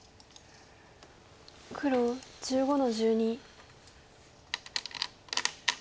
黒１５の十二。